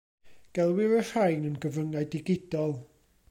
Gelwir y rhain yn gyfryngau digidol.